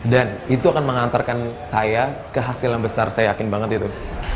itu akan mengantarkan saya ke hasil yang besar saya yakin banget itu